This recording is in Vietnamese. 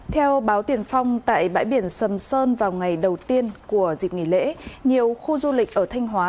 theo báo tiền phong tại bãi biển sầm sơn vào ngày đầu tiên của dịp nghỉ lễ nhiều khu du lịch ở thanh hóa